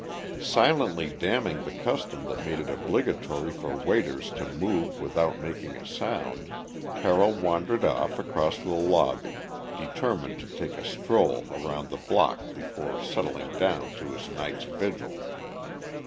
Silently damning the custom that made it obligatory for waiters to move without making a sound, Carroll wandered off across the lobby, determined to take a stroll around the block before settling down to his night's vigil.